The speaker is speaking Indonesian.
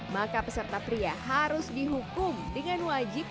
maka peserta pria harus dihukum dengan wajib